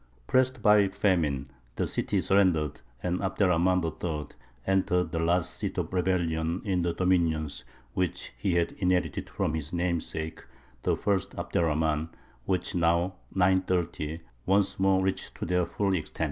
Pressed by famine, the city surrendered, and Abd er Rahmān III. entered the last seat of rebellion in the dominions which he had inherited from his namesake, the first Abd er Rahmān, which now (930) once more reached to their full extent.